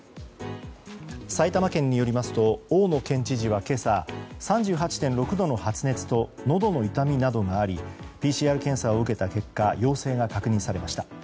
埼玉県によりますと大野県知事は今朝３８．６度の発熱とのどの痛みなどがありＰＣＲ検査を受けた結果陽性が確認されました。